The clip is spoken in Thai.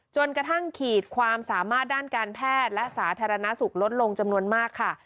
จนกระทั่งขีดความสามารถด้านการแพทย์และสาธารณสุขลดลงจำนวนมากค่ะ